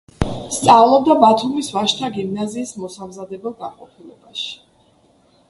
სწავლობდა ბათუმის ვაჟთა გიმნაზიის მოსამზადებელ განყოფილებაში.